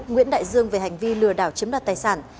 nguyễn đại dương về hành vi lừa đảo chiếm đoạt tài sản